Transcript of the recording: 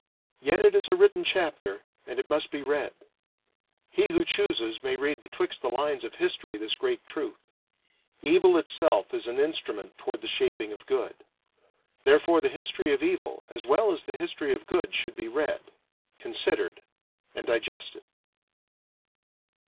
Yet it is a written chapter, and it must be read. He who chooses may read betwixt the lines of history this great truth: Evil itself is an instrument toward the shaping of good. Therefore the history of evil as well as the history of good should be read, considered, and digested.